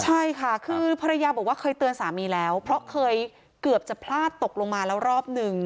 ใช่ค่ะคือภรรยาบอกว่าเคยเตือนสามีแล้วเพราะเคยเกือบจะพลาดตกลงมาแล้วรอบหนึ่ง